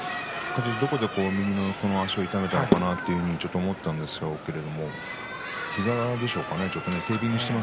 どこで、この足を痛めたのかなと思ったんですけれど膝でしょうかね。